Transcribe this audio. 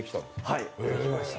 はい、できました。